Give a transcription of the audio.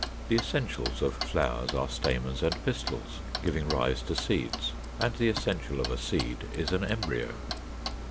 The essentials of flowers are stamens and pistils, giving rise to seeds, and the essential of a seed is an embryo (8).